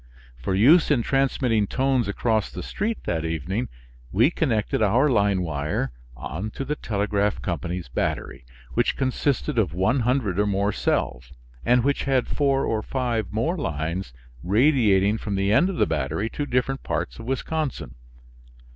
For use in transmitting tones across the street that evening we connected our line wire on to the telegraph company's battery, which consisted of 100 or more cells, and which had four or five more lines radiating from the end of the battery to different parts of Wisconsin.